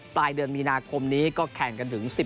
ปลายเดือนมีนาคมนี้ก็แข่งกันถึง๑๐